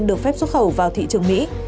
được phép xuất khẩu sang thị trường mỹ